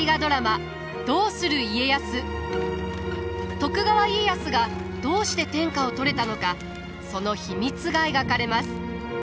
徳川家康がどうして天下を取れたのかその秘密が描かれます。